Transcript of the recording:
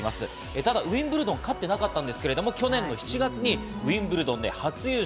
ただウィンブルドンを勝ってなかったんですけど、去年の７月にウィンブルドンで初優勝。